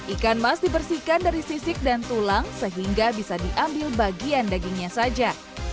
ikan mas dibersihkan dari sisik dan tulang sehingga bisa diambil bagian dagingnya saja